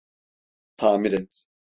Tamir et.